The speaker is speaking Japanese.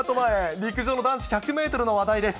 陸上の男子１００メートルの話題です。